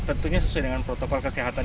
tentunya sesuai dengan protokol kesehatan